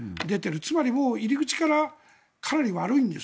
つまり入り口からかなり悪いんです。